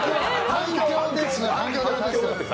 反響です！